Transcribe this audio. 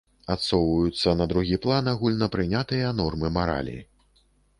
Адсоўваюцца на другі план агульнапрынятыя нормы маралі.